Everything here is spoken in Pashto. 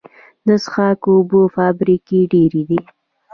د څښاک اوبو فابریکې ډیرې دي